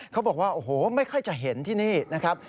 เขาบอกว่าโอ้โหไม่ค่อยจะเห็นที่นี่นะครับ